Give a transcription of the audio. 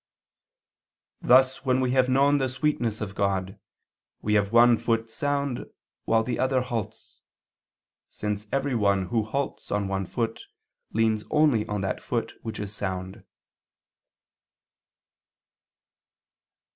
"Thus when we have known the sweetness of God, we have one foot sound while the other halts; since every one who halts on one foot leans only on that foot which is sound."